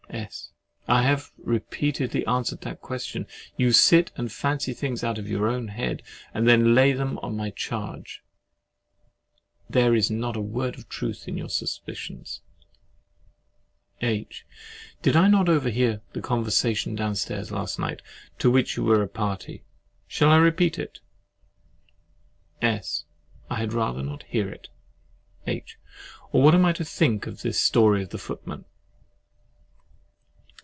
S. I have repeatedly answered that question. You sit and fancy things out of your own head, and then lay them to my charge. There is not a word of truth in your suspicions. H. Did I not overhear the conversation down stairs last night, to which you were a party? Shall I repeat it? S. I had rather not hear it! H. Or what am I to think of this story of the footman?